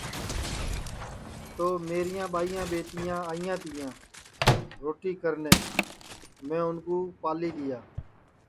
تو میریاں ٻائی ٻیٹیاں آئیاں روٹی کرنے میں اُن کُو منا کری دؔیا